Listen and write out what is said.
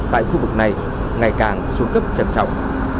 tại khu vực này ngày càng xuống cấp trầm trọng